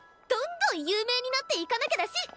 どんどん有名になっていかなきゃだし！